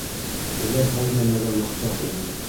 Улар һәр нәмәгә мохтаж ине